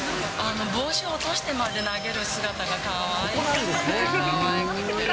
帽子を落としてまで投げる姿がかわいかった。